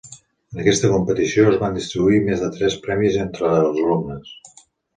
En aquesta competició, es van distribuir més de tres premis entre els alumnes.